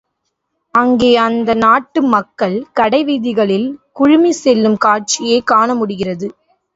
அங்கே அந்த நாட்டு மக்கள் கடைவீதிகளில் குழுமிச் செல்லும் காட்சியைக் காண முடிகிறது.